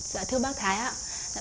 dạ thưa bác thái ạ